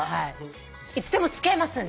いつでも付き合いますので。